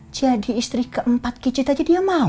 jadi istri keempat kicit aja dia mau